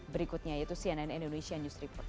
berikutnya yaitu cnn indonesia news report